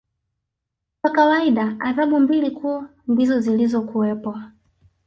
Kwa kawaida adhabu mbili kuu ndizo zilikuwepo